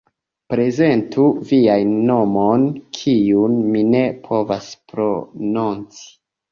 Prezentu vian nomon, kiun mi ne povas prononci